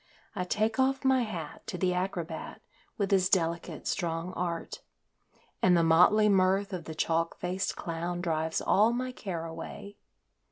I take off my hat to the acrobat with his delicate, strong art, And the motley mirth of the chalk faced clown drives all my care away.